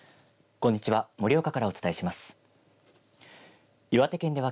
こんにちは。